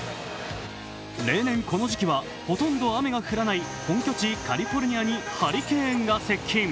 例年この時期はほとんど雨が降らない本拠地・カリフォルニアにハリケーンが接近。